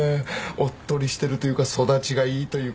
おっとりしてるというか育ちがいいというか。